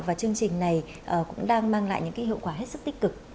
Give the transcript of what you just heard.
và chương trình này cũng đang mang lại những hiệu quả hết sức tích cực